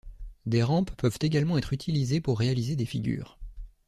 Des rampes peuvent également être utilisées pour réaliser des figures.